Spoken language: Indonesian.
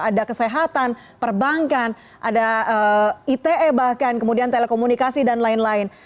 ada kesehatan perbankan ada ite bahkan kemudian telekomunikasi dan lain lain